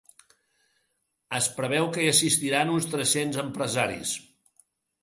Es preveu que hi assistiran uns tres-cents empresaris.